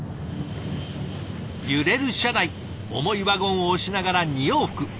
揺れる車内重いワゴンを押しながら２往復。